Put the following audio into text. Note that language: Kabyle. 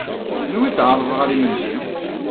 Anwa ay d-tɛerḍed ɣer yimensi?